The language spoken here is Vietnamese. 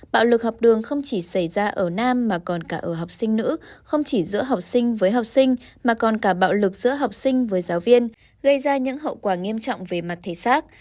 bạo lực học đường không chỉ xảy ra ở nam mà còn cả ở học sinh nữ không chỉ giữa học sinh với học sinh mà còn cả bạo lực giữa học sinh với giáo viên gây ra những hậu quả nghiêm trọng về mặt thể xác